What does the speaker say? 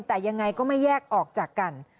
แต่ยังไงก็ไม่แยกออกจากกัน